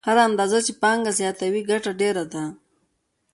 هره اندازه چې پانګه زیاته وي ګټه ډېره ده